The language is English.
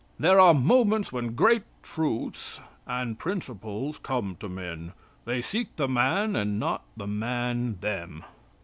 There are moments when great truths and principles come to men. They seek the man and not the man them."